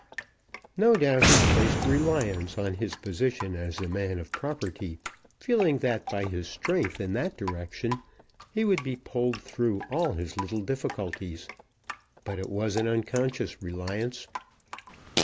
No doubt he placed reliance on his position as a man of property, feeling that by his strength in that direction he would be pulled through all his little difficulties; but it was an unconscious reliance.